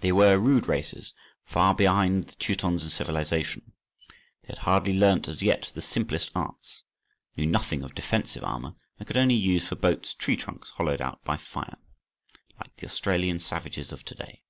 They were rude races, far behind the Teutons in civilization; they had hardly learnt as yet the simplest arts, knew nothing of defensive armour, and could only use for boats tree trunks hollowed out by fire—like the Australian savages of to day.